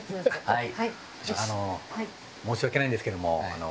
はい。